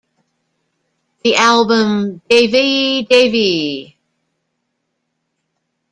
The album Davay-Davay!